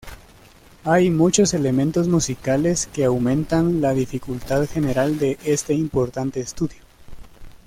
Hay muchos elementos musicales que aumentan la dificultad general de este importante estudio.